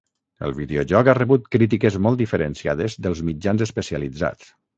El videojoc ha rebut crítiques molt diferenciades dels mitjans especialitzats.